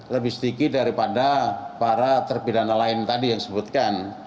lebih sedikit daripada para terpidana lain tadi yang disebutkan